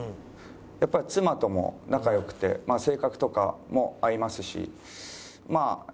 やっぱり妻とも仲良くて性格とかも合いますしまあ